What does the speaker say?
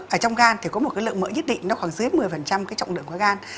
ở trong gan thì có một cái lượng mỡ nhất định nó khoảng dưới một mươi cái trọng lượng của gan